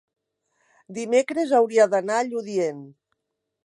Dimecres hauria d'anar a Lludient.